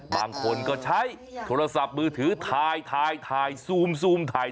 บางคนก็ใช้โทรศัพท์มือถือถ่ายซูมถ่าย